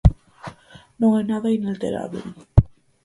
Non hai nada inalterábel.